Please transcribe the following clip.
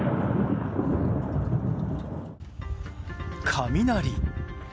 雷。